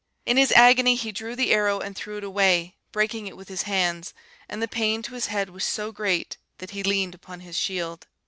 In his agony he drew the arrow and threw it away, breaking it with his hands; and the pain to his head was so great, that he leaned upon his shield.